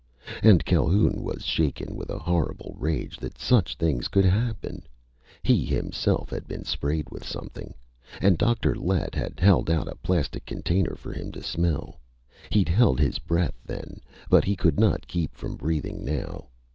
And Calhoun was shaken with a horrible rage that such things could happen. He, himself, had been sprayed with something.... And Dr. Lett had held out a plastic container for him to smell.... He'd held his breath then, but he could not keep from breathing now.